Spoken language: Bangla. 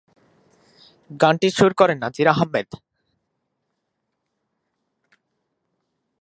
গানটির সুর করেন নাজির আহমেদ।